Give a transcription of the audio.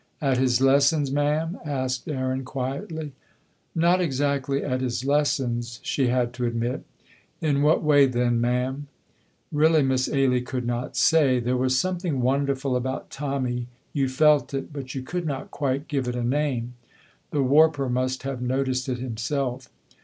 "At his lessons, ma'am?" asked Aaron, quietly. Not exactly at his lessons, she had to admit. "In what way, then, ma'am?" Really Miss Ailie could not say. There was something wonderful about Tommy, you felt it, but you could not quite give it a name. The warper must have noticed it himself.